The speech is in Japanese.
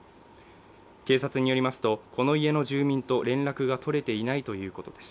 警察によりますとこの家の住民と連絡が取れていないということです。